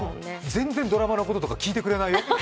全然ドラマのこととか聞いてくれないよ。